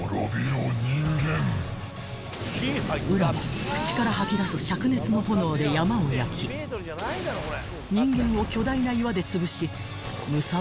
［温羅は口から吐き出す灼熱の炎で山を焼き人間を巨大な岩でつぶし］